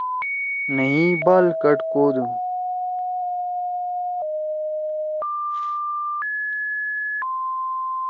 نئیی بال کٹ کودُو۔